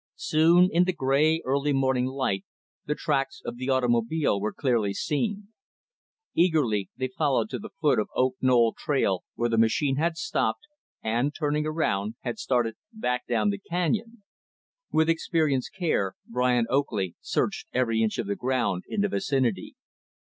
Soon, in the gray, early morning light, the tracks of the automobile were clearly seen. Eagerly, they followed to the foot of the Oak Knoll trail, where the machine had stopped and, turning around, had started back down the canyon. With experienced care, Brian Oakley searched every inch of the ground in the vicinity.